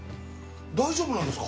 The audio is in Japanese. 大丈夫なんですか？